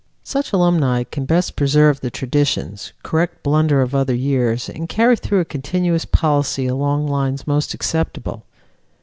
Such alumni can best preserve the traditions, correct blunders of other years, and carry through a continuous policy along lines most acceptable.